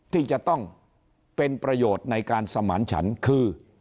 ที่จะต้องเป็นประโยชน์ในการสมานฉันคือ